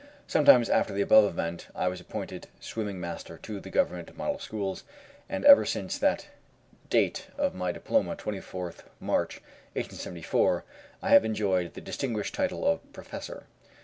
Sometime after the above event, I was appointed swimming master to the Government Model Schools; and ever since that date of my diploma 24th March, 1874 I have enjoyed the distinguished title of "Professor."